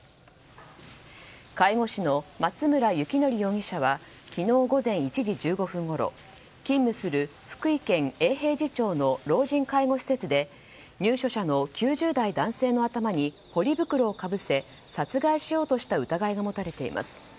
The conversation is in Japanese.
介護士の松村幸範容疑者は昨日午前１時１５分ごろ勤務する福井県永平寺町の老人介護施設で入所者の９０代男性の頭にポリ袋をかぶせ殺害しようとした疑いが持たれています。